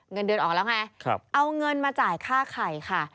เงินเดือนออกแล้วไงเอาเงินมาจ่ายค่าไข่ค่ะ